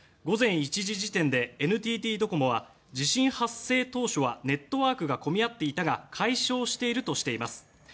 午前１時時点でＮＴＴドコモは地震発生当初はネットワークが混み合っていたが解消しているとしています。